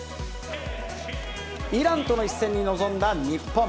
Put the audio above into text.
イランとの一戦に臨んだ日本。